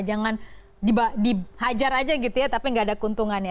jangan dihajar aja gitu ya tapi nggak ada keuntungannya